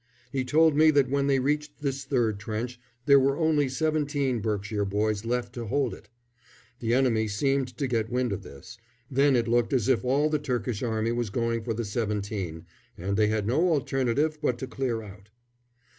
He told me that when they reached this third trench there were only seventeen Berkshire boys left to hold it. The enemy seemed to get wind of this; then it looked as if all the Turkish army was going for the seventeen, and they had no alternative but to clear out.